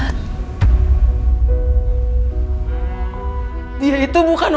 ada tijd leluang